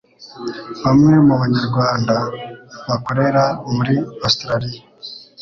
Bamwe mu Banyarwanda bakorera muri Australia